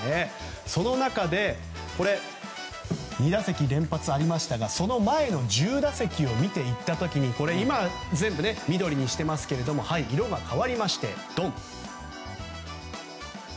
その中で２打席連発ありましたがその前の１０打席を見ていった時に今、全部緑にしていますけれども色が変わりまして。